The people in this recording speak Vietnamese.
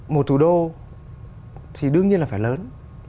một thủ đô thì đương nhiên là phải lớn